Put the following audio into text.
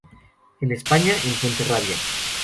En España, en Fuenterrabía.